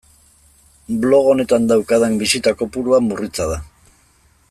Blog honetan daukadan bisita kopurua murritza da.